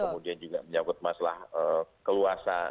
kemudian juga menyangkut masalah keluasan